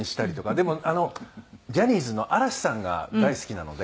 でもあのジャニーズの嵐さんが大好きなので。